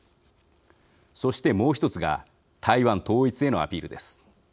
そして、もう１つが台湾統一へのアピールです。